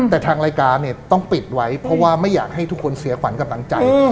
แต่ทางรายการเนี่ยต้องปิดไว้เพราะว่าไม่อยากให้ทุกคนเสียขวัญกำลังใจ